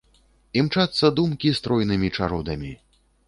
Імчацца думкі стройнымі чародамі.